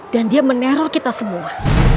dan dia meneror kita semua